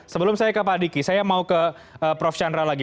sebelum saya ke pak diki saya mau ke prof chandra lagi